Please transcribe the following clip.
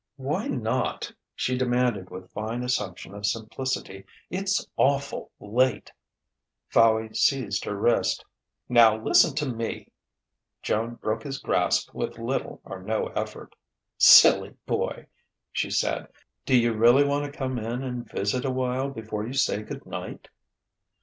"Why not?" she demanded with fine assumption of simplicity. "It's awful' late." Fowey seized her wrist. "Now, listen to me!" Joan broke his grasp with little or no effort. "Silly boy!" she said. "Do you really want to come in and visit a while before you say good night?"